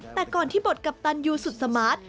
แต่ก่อนที่บทกัปตันยูสุดสมาร์ท